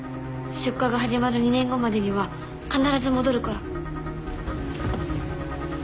出荷が始まる２年後までには必ず戻るから